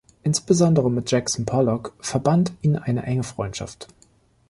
Insbesondere mit Jackson Pollock verband ihn eine enge Freundschaft.